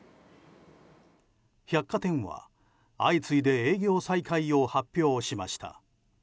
百貨店は相次いで営業再開を発表しました。